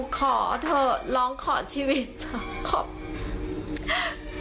ขอเถอะร้องขอชีวิต